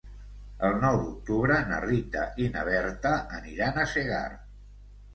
El nou d'octubre na Rita i na Berta aniran a Segart.